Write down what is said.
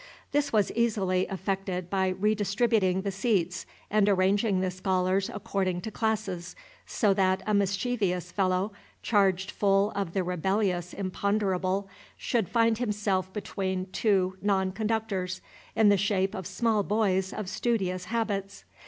This was easily effected by redistributing the seats and arranging the scholars according to classes, so that a mischievous fellow, charged full of the rebellious imponderable, should find himself between two non conductors, in the shape of small boys of studious habits.